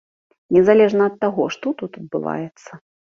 Незалежна ад таго, што тут адбываецца.